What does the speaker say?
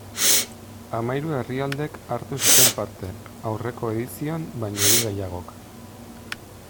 Hamahiru herrialdek hartu zuten parte, aurreko edizioan baino bi gehiagok.